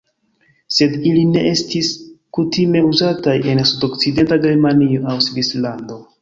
Sed ili ne estis kutime uzataj en sudokcidenta Germanio aŭ Svislando.